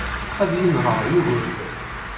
Ad yenheṛ Yugurten.